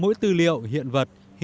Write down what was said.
mỗi tư liệu hiển thị